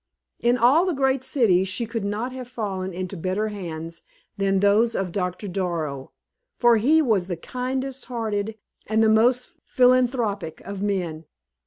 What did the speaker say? In all the great city she could not have fallen into better hands than those of Doctor Darrow, for he was the kindest hearted and most philanthropic of men.